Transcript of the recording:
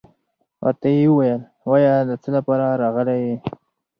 ورته يې ويل وايه دڅه لپاره راغلى يي.